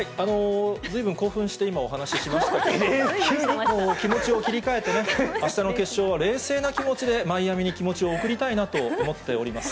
ずいぶん興奮して、今、お話ししましたけど、気持ちを切り替えてね、あしたの決勝は冷静な気持ちで、マイアミに気持ちを送りたいなと思っております。